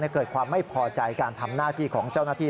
เกิดความไม่พอใจการทำหน้าที่ของเจ้าหน้าที่